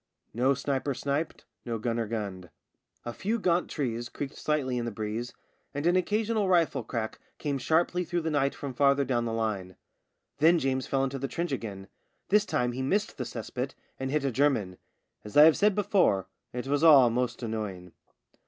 No sniper sniped, no gunner gunned. A few gaunt trees creaked slightly in the breeze, and an occasional rifle crack came sharply through the night from farther down the line. Then James fell into the trench again. This time he missed the cess pit and hit a German. As I have said before, it was all most annoying.